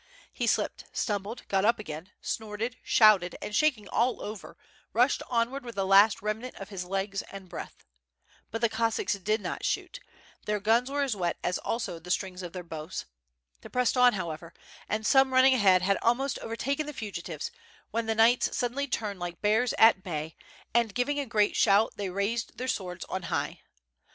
He slipped, stumbled, got up again, snorted, shouted, and shaking all over, rushed onward with the last remnant of his legs and breath. But the Cossacks did not shoot, their guns were wet ss were also the strings of their bows. They pressed on, however, and pome running ahead had almost overtaken the fugitives, when the knights suddenly turned like bears at bay, and giving a • preat shout they raised their swords on high.